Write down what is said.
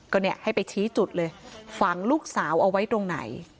ก็เนี่ยให้ไปชี้จุดเลยฝังลูกสาวเอาไว้ตรงไหน